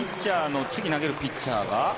次投げるピッチャーが。